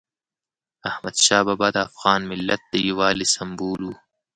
احمدشاه بابا د افغان ملت د یووالي سمبول و.